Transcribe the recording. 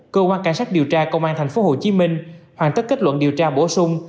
cơ quan cảnh sát điều tra công an tp hcm hoàn tất kết luận điều tra bổ sung